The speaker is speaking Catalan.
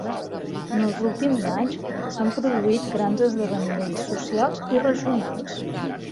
En els últims anys, s'han produït grans esdeveniments socials i regionals.